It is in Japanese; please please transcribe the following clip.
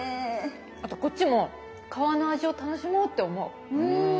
あとこっちも皮の味を楽しもうって思う。